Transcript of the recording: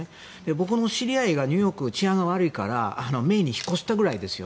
僕の知り合いがニューヨーク、治安が悪いからメーンに引っ越したくらいですよ。